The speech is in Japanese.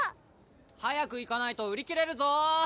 早く行かないと売り切れるぞー！